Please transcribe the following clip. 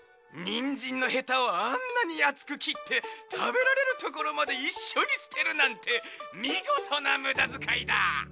にんじんのヘタをあんなにあつくきってたべられるところまでいっしょにすてるなんてみごとなむだづかいだ！